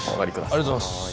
ありがとうございます。